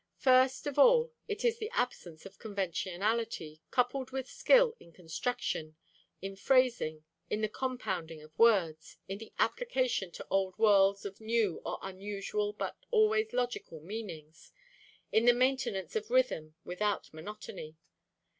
First of all is the absence of conventionality, coupled with skill in construction, in phrasing, in the compounding of words, in the application to old words of new or unusual but always logical meanings, in the maintenance of rhythm without monotony.